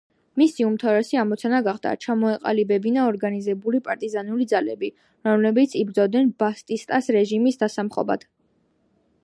მისი უმთავრესი ამოცანა გახდა ჩამოეყალიბებინა ორგანიზებული პარტიზანული ძალები, რომლებიც იბრძოლებდნენ ბატისტას რეჟიმის დასამხობად.